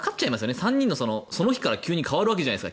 ３人がその日から急に変わるわけじゃないですか。